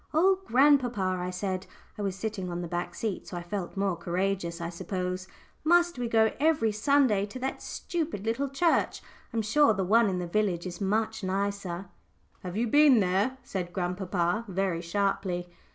"Oh, grandpapa!" I said I was sitting on the back seat, so I felt more courageous, I suppose "must we go every Sunday to that stupid little church? I'm sure the one in the village is much nicer." "Have you been there?" said grandpapa, very sharply.